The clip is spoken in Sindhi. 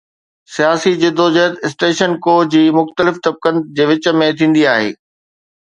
سياسي جدوجهد اسٽيٽس ڪو جي مختلف طبقن جي وچ ۾ ٿيندي آهي.